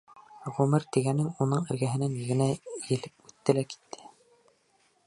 Ғүмер тигәнең уның эргәһенән генә елеп үтте лә китте.